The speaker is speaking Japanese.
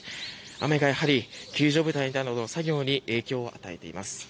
雨が救助部隊などの作業に影響を与えています。